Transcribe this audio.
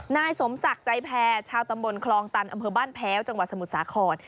นายสมศักดิ์ใจแพรชาวตำบลคลองตันอำเภอบ้านแพ้วจังหวัดสมุทรสาคร